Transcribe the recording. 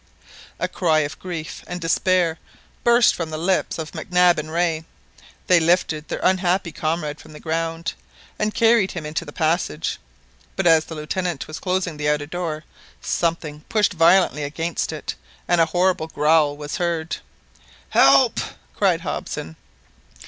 A cry of grief and despair burst from the lips of Mac Nab and Rae. They lifted their unhappy comrade from the ground, and carried him into the passage; but as the Lieutenant was closing the outer door, something pushed violently against it, and a horrible growl was heard. "Help!" cried Hobson.